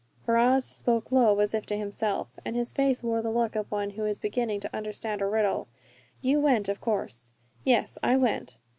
Ferrars spoke low, as if to himself, and his face wore the look of one who is beginning to understand a riddle. "You went, of course?" "Yes, I went."